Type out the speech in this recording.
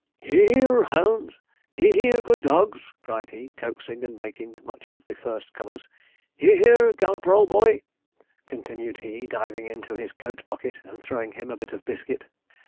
'He here, hounds he here, good dogs!' cried he, coaxing and making much of the first comers: 'he here. Galloper, old boy!' continued he, diving into his coat pocket, and throwing him a bit of biscuit.